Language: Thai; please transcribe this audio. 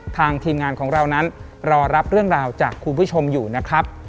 ทีมงานของเรานั้นรอรับเรื่องราวจากคุณผู้ชมอยู่นะครับ